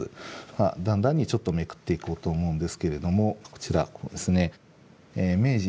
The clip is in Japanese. だんだんにちょっとめくっていこうと思うんですけれどもこちら明治